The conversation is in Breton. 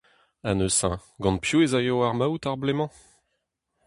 Ha neuze, gant piv ez aio ar maout ar bloaz-mañ ?